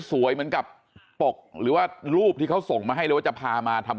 เหมือนกับปกหรือว่ารูปที่เขาส่งมาให้เลยว่าจะพามาทำ